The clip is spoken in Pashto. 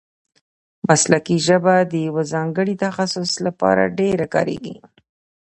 مسلکي ژبه د یوه ځانګړي تخصص له پاره ډېره کاریږي.